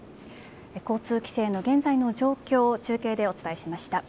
交通規制の現在の状況を中継でお伝えしました。